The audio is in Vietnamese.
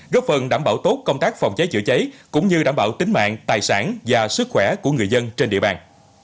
góp phần đảm bảo tốt công tác phòng cháy chữa cháy cũng như đảm bảo tính mạng tài sản và sức khỏe của người dân trên địa bàn